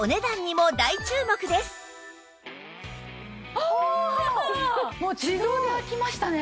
もう自動で開きましたね。